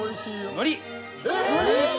のり！？